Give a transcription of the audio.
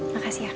makasih ya kak